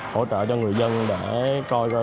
hỗ trợ cho người dân để coi coi